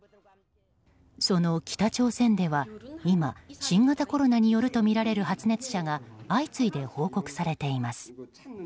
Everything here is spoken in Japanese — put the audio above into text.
その北朝鮮では今、新型コロナによるとみられる発熱者が相次いで報告されています。